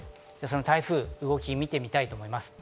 台風の動きを見てみたいと思います。